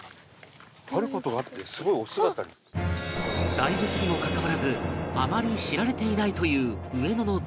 大仏にもかかわらずあまり知られていないという上野の大仏